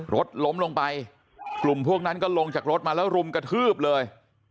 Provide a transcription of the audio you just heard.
รถล้มลงไปกลุ่มพวกนั้นก็ลงจากรถมาแล้วรุมกระทืบเลย